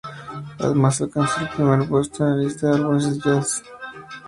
Además, alcanzó el primer puesto en la lista de álbumes de "jazz" de "Billboard".